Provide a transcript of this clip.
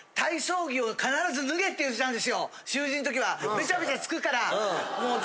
べちゃべちゃつくから。